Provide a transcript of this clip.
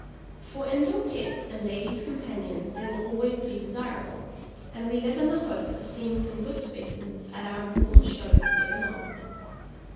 For in door pets and ladies' companions they will always be desirable, and we live in the hope of seeing some good specimens at our important shows ere long.